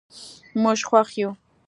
موږ خوښ یو.